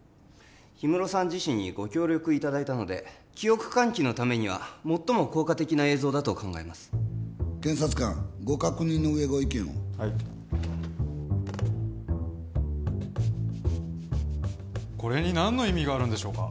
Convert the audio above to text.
氷室さん自身にご協力いただいたので記憶喚起のためには最も効果的な映像だと考えます検察官ご確認の上ご意見をはいこれに何の意味があるんでしょうか